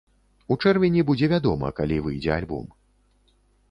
У чэрвені будзе вядома, калі выйдзе альбом.